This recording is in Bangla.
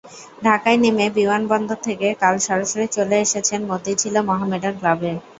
ঢাকায় নেমে বিমানবন্দর থেকে কাল সরাসরি চলে এসেছেন মতিঝিলে মোহামেডান ক্লাবে।